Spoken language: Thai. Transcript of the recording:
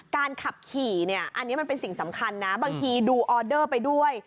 การขับขี่เนี่ยอันนี้มันเป็นสิ่งสำคัญนะบางทีดูออเดอร์ไปด้วย